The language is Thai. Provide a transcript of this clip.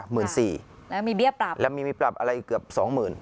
หมื่นสี่แล้วมีเบี้ยปรับแล้วมีมีปรับอะไรเกือบสองหมื่น